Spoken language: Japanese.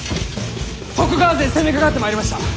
徳川勢攻めかかってまいりました！